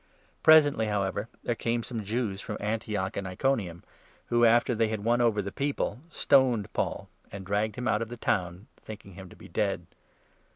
Presently, however, there came some Jews from Antioch 19 and Iconium who, after they had won over the people, stoned Paul, and dragged him out of the town, thinking him to be dead.